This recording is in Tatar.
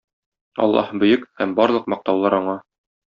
Аллаһ Бөек һәм барлык мактаулар Аңа!